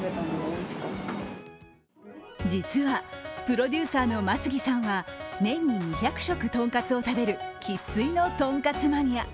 実は、プロデューサーの眞杉さんは年に２００食とんかつを食べる生っ粋のとんかつマニア。